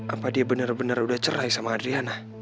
apa dia bener bener udah cerai sama adriana